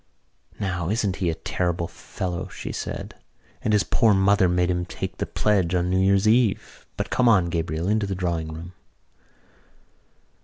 "Now, isn't he a terrible fellow!" she said. "And his poor mother made him take the pledge on New Year's Eve. But come on, Gabriel, into the drawing room."